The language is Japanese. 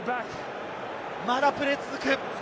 まだプレーは続く。